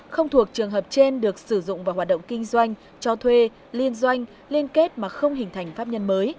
không thuộc trường hợp trên được sử dụng vào hoạt động kinh doanh cho thuê liên doanh liên kết mà không hình thành pháp nhân mới